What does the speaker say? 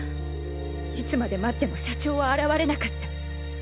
いつまで待っても社長は現れなかった。